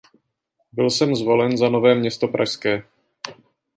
Byl sem zvolen za Nové Město Pražské.